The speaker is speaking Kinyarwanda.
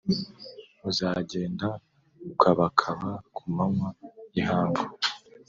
Uzagenda ukabakaba ku manywa y’ihangu